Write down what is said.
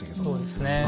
そうですね。